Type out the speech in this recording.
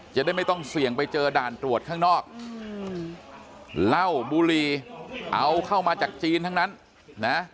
จะได้ไม่ต้องเสี่ยงไปเจอด่านตรวจข้างนอกเหล้าบุรีเอาเข้ามาจากจีนทั้งนั้นนะ